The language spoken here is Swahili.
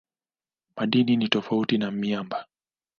Madini ni tofauti na miamba.